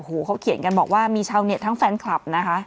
โอ้โหเขาเขียนกันบอกว่ามีชาวเน็ตทั้งแฟนคลับนะคะ